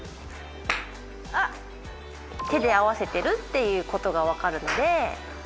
手で合わせているっていうことがわかるので。